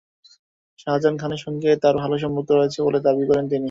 শাজাহান খানের সঙ্গে তাঁর ভালো সম্পর্ক রয়েছে বলে দাবি করেন তিনি।